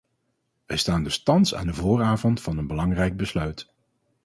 Wij staan dus thans aan de vooravond van een belangrijk besluit.